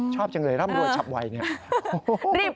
ชอบจังเลยร่ำรวยฉับไวเนี่ย